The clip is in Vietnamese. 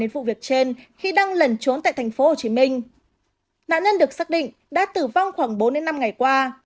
đến vụ việc trên khi đang lẩn trốn tại thành phố hồ chí minh nạn nhân được xác định đã tử vong khoảng bốn năm ngày qua